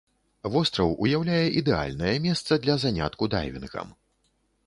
Востраў уяўляе ідэальнае месца для занятку дайвінгам.